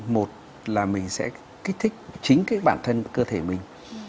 một là mình sẽ kích thích chính cái bản thân cơ thể mình